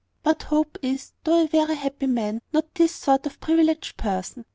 But Hope is, though a very happy man, not this sort of privileged person.